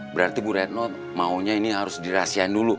berarti bu retno maunya ini harus dirahasiain dulu